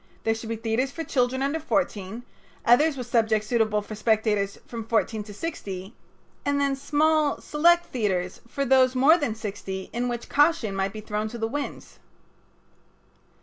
There should be theaters for children under fourteen, others with subjects suitable for spectators from fourteen to sixty, and then small select theaters for those more than sixty in which caution might be thrown to the winds.